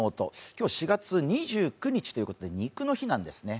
今日は４月２９日ということで肉の日なんですね。